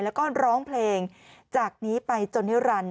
แล้วก็ร้องเพลงจากนี้ไปจนนิรันดิ